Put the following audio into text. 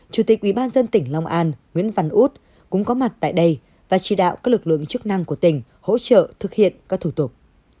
chủ tịch ủy ban dân tỉnh lòng an nguyễn văn út cũng có mặt tại đây và chỉ đạo các lực lượng chức năng của tỉnh hỗ trợ thực hiện các thủ tục